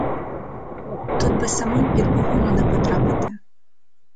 Тут би самим під погоню не потрапити.